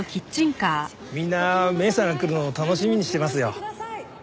みんな芽依さんが来るのを楽しみにしてますよ。